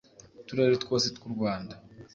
uturere twose tw u rwanda